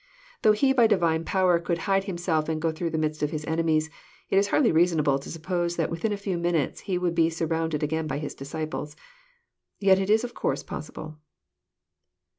Though He by Divine power could hide Himself and go through the midst of His enemies, it is hardly reasonable to suppose that within a few minutes He would be surrounded again by His disciples. Yet it is of course possible.